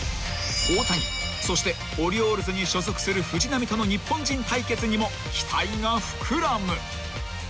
［大谷そしてオリオールズに所属する藤浪との日本人対決にも期待が膨らむ］